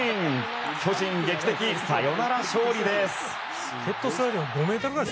巨人、劇的サヨナラ勝利です。